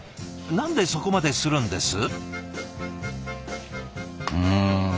なんでそこまでするんです？